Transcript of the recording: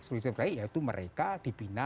solusi terbaik yaitu mereka dibina